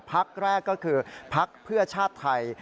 พักแรกก็คือพักเพื่อชาติไทย